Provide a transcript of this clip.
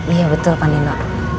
iya betul pak nino